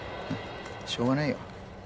しょうがないよ。